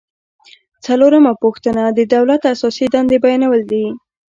څلورمه پوښتنه د دولت اساسي دندې بیانول دي.